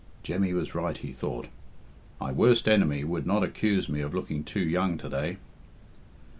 "Jemmy was right," he thought. "My worst enemy would not accuse me of looking too young to day."